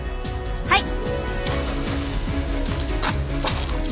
はい。